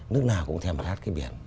nước nào cũng thèm khát cái biển